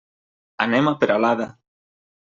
Anem a Peralada.